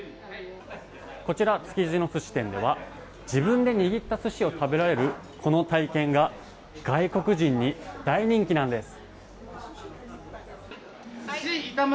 築地の寿司店では自分で握った寿司を食べられるこの体験が外国人に大人気なんです。